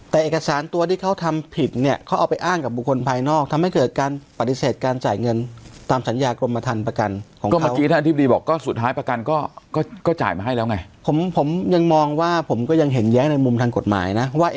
แต่เอกสารตัวที่เขาทำผิดเนี่ยเขาเอาไปอ้างกับบุคคลภายนอกทำให้เกิดการปฏิเสธการจ่ายเงิน